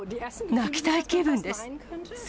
泣きたい気分です。